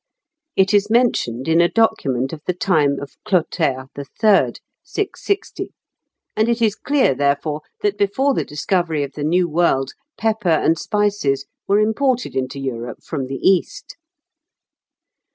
It is mentioned in a document, of the time of Clotaire III. (660); and it is clear, therefore, that before the discovery of the New World pepper and spices were imported into Europe from the East.